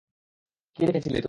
কী দেখেছিলে তুমি?